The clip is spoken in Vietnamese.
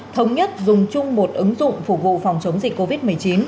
thống nhất dùng chung một ứng dụng phục vụ phòng chống dịch covid một mươi chín